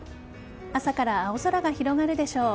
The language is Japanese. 朝から青空が広がるでしょう。